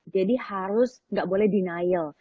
jadi harus nggak boleh denial